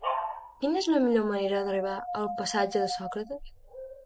Quina és la millor manera d'arribar al passatge de Sòcrates?